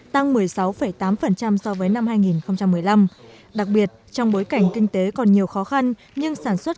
tăng một mươi sáu tám so với năm hai nghìn một mươi năm đặc biệt trong bối cảnh kinh tế còn nhiều khó khăn nhưng sản xuất